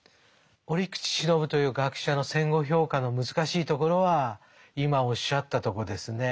折口信夫という学者の戦後評価の難しいところは今おっしゃったとこですね。